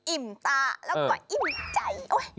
อิ่มตาแล้วก็อิ่มใจ